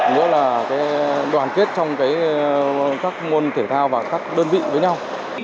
nghĩa là đoàn kết trong các ngôn thể thao và các đơn vị với nhau